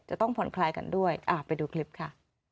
จะต้องผ่อนคลายกันด้วยไปดูคลิปค่ะ